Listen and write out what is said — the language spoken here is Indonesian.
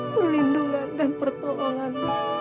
perlindungan dan pertolongan